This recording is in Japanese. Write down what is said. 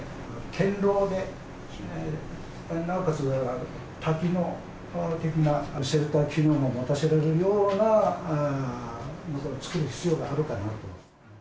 堅ろうでなおかつ多機能的なシェルター機能を持たせられるようなものを作る必要があるかなと。